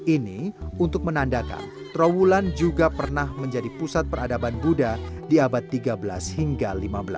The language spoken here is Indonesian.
ini untuk menandakan trawulan juga pernah menjadi pusat peradaban buddha di abad tiga belas hingga lima belas